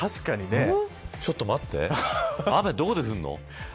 ちょっと待って雨、どこで降るの。